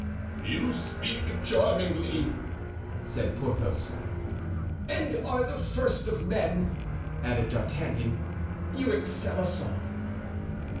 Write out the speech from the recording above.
"You speak charmingly," said Porthos. "And are the first of men!" added D'Artagnan. "You excel us all."